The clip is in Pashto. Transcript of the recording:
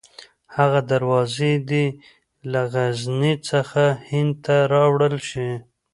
هغه دروازې دې له غزني څخه هند ته راوړل شي.